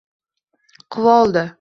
Quvoldi.